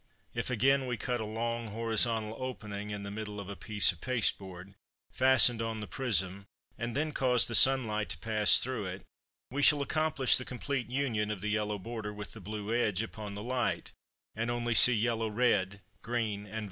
If again we cut a long horizontal opening in the middle of a piece of pasteboard, fastened on the prism, and then cause the sun light to pass through it, we shall accomplish the complete union of the yellow border with the blue edge upon the light, and only see yellow red, green and violet.